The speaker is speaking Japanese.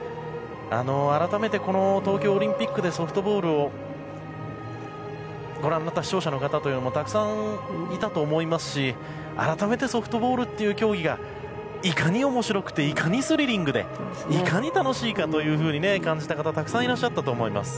改めて、この東京オリンピックでソフトボールをご覧になった視聴者の方というのもたくさんいたと思いますし改めてソフトボールという競技がいかに面白くていかにスリリングでいかに楽しいかと感じた方、たくさんいらっしゃったと思います。